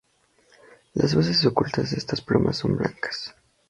Las bases ocultas de estas plumas son blancas.